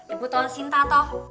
ibu tau sinta tau